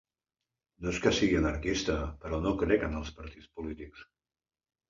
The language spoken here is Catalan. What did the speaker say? No és que sigui anarquista, però no crec amb els partits polítics.